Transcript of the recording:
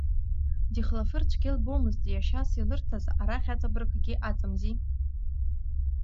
Дихлафыр цәгьа илбомызт иашьас илырҭаз, арахь аҵабырггьы аҵамзи.